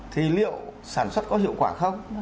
thì liệu sản xuất có hiệu quả không